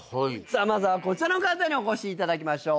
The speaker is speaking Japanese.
まずはこちらの方にお越しいただきましょう。